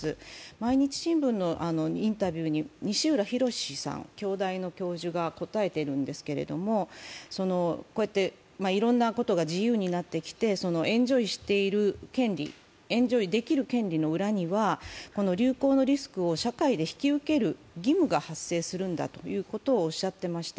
「毎日新聞」のインタビューに、西浦博さん、京大の教授が答えてるんですけど、こうやっていろいろなことが自由になってきてエンジョイできる権利の中には裏には、流行のリスクを社会で引き受ける義務が発生するんだということをおっしゃっていました。